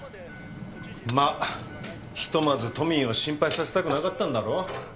まあひとまず都民を心配させたくなかったんだろう。